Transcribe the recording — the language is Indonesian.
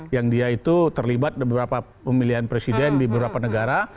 yang dia itu terlibat beberapa pemilihan presiden di beberapa negara